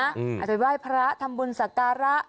อาจไว้พระธรรมบุญสกระ